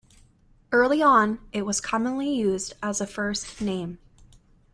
Early on, it was commonly used as a first name.